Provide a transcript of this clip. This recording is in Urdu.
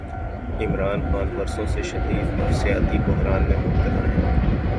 عمران خان برسوں سے شدید نفسیاتی بحران میں مبتلا ہیں۔